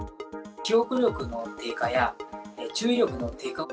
記憶力の低下や注意力の低下。